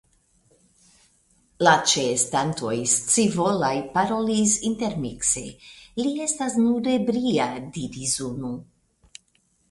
La ĉeestantoj scivolaj parolis intermikse: Li estas nur ebria, diris unu.